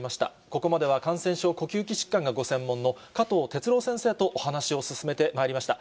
ここまでは、感染症、呼吸器疾患がご専門の加藤哲朗先生とお話を進めてまいりました。